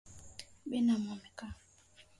Binamu amekaa